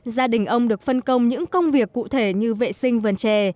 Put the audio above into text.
gia đình ông được phân công những công việc cụ thể như vệ sinh vườn trè